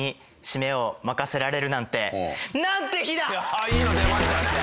ああいいの出ました。